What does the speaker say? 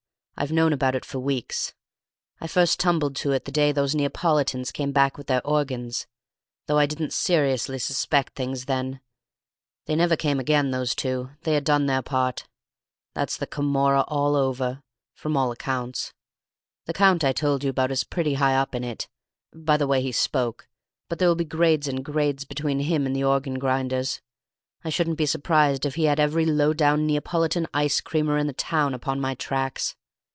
I've known about it for weeks. I first tumbled to it the day those Neapolitans came back with their organs, though I didn't seriously suspect things then; they never came again, those two, they had done their part. That's the Camorra all over, from all accounts. The Count I told you about is pretty high up in it, by the way he spoke, but there will be grades and grades between him and the organ grinders. I shouldn't be surprised if he had every low down Neapolitan ice creamer in the town upon my tracks!